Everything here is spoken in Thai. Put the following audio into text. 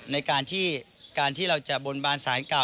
ในการที่เราจะบนบานศาลเก่า